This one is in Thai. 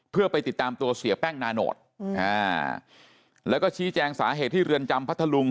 เพื่อไปติดตามตัวเสียแป้งนาโนตแล้วก็ชี้แจงสาเหตุที่เรือนจำพัทธลุง